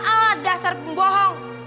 alah dasar pembohong